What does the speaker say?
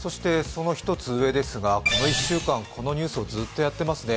その１つ上ですが、この１週間このニュースをずっとやっていますね。